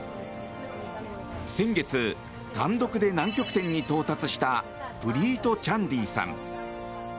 先月、単独で南極点に到達したプリート・チャンディさん。